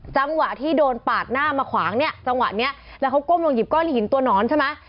จังหวะที่โดนปาดหน้ามาขวางเนี่ยจังหวะนี้แล้วเขาก้มลงหยิบก้อนหินตัวหนอนใช่ไหม